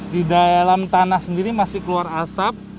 di dalam tanah sendiri masih keluar asap